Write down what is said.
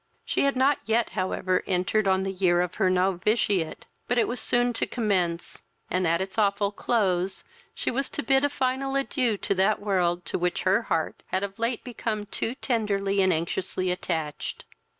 She had not yet however entered on the year of her novitiate; but it was soon to commence, and, at its awful close, she was to bid a final adieu to that world, to which her heart had of late become too tenderly and anxiously attached.